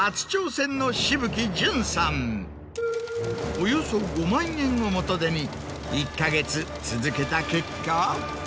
およそ５万円を元手に１か月続けた結果。